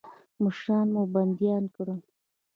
مشران مو بندیان کړل.